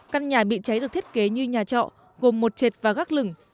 căn nhà bị cháy được thiết kế như nhà trọ gồm một trệt và gác lửng